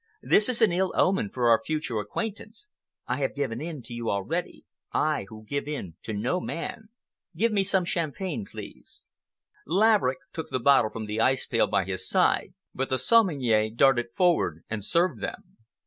This is an ill omen for our future acquaintance. I have given in to you already—I, who give in to no man. Give me some champagne, please." Laverick took the bottle from the ice pail by his side, but the sommelier darted forward and served them.